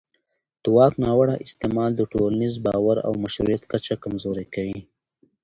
د واک ناوړه استعمال د ټولنیز باور او مشروعیت کچه کمزوري کوي